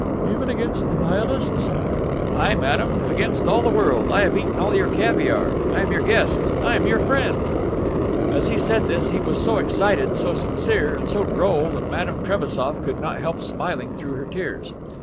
"Even against the Nihilists!" "Aye, madame, against all the world. I have eaten all your caviare. I am your guest. I am your friend." As he said this he was so excited, so sincere and so droll that Madame Trebassof could not help smiling through her tears.